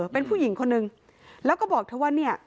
เป็นผู้หญิงคนนึงแล้วก็บอกเธอว่าเนี่ย